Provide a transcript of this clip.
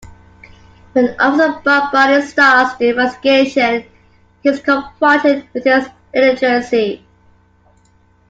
When Officer Barbrady starts the investigation, he is confronted with his illiteracy.